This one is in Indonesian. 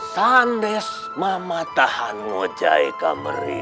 sandes mamatahan mojaika meri